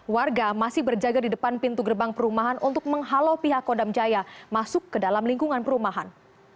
warga masih berjaga di depan pintu gerbang perumahan untuk menghalau pihak kodam jaya masuk ke dalam lingkungan perumahan